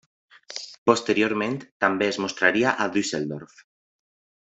Posteriorment també es mostraria a Düsseldorf.